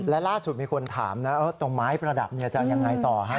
และล่าสุดมีคนถามนะตรงไม้ประดับจะยังไงต่อฮะ